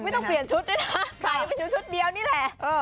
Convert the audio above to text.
ต้องเปลี่ยนชุดด้วยนะใส่ไปดูชุดเดียวนี่แหละ